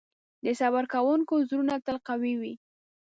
د صبر کوونکي زړونه تل قوي وي.